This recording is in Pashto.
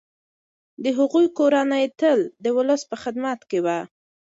د هغوی کورنۍ تل د ولس په خدمت کي وه.